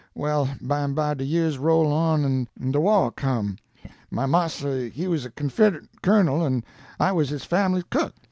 Well, bymeby de years roll on an' de waw come. My marster he was a Confedrit colonel, an' I was his family's cook.